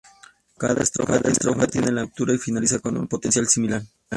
Cada estrofa tiene la misma estructura y finaliza con un potencial similar.